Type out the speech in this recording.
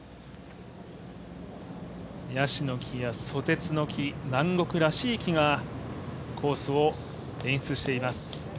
やしの木やそてつの木、南国らしい木がコースを演出しています。